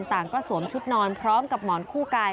ต่างก็สวมชุดนอนพร้อมกับหมอนคู่กาย